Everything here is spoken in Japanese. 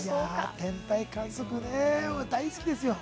「天体観測」大好きですよ。